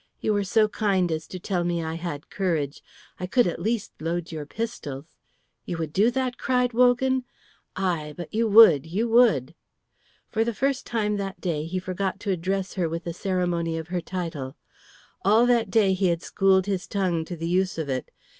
"You were so kind as to tell me I had courage. I could at the least load your pistols." "You would do that?" cried Wogan. "Aye, but you would, you would!" For the first time that day he forgot to address her with the ceremony of her title. All that day he had schooled his tongue to the use of it.